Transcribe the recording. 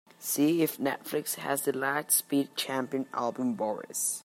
See if Netflix has the Lightspeed Champion album boris